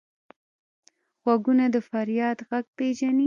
غوږونه د فریاد غږ پېژني